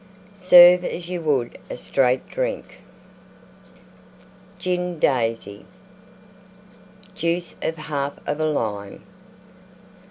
Serve as you would a Straight Drink. GIN DAISY Juice of 1/2 of a Lime.